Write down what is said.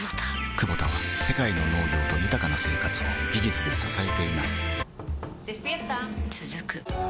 クボタは世界の農業と豊かな生活を技術で支えています起きて。